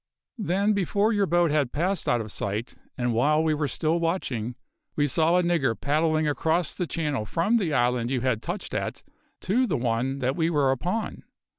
"Then, before your boat had passed out of sight, and while we were still watching, we saw a nigger paddling across the channel from the island you had touched at to the one that we were upon.